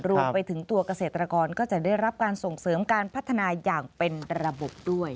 รวมไปถึงตัวเกษตรกรก็จะได้รับการส่งเสริมการพัฒนาอย่างเป็นระบบด้วย